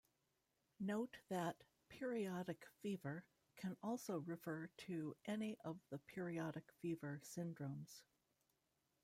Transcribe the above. Note that "periodic fever" can also refer to any of the periodic fever syndromes.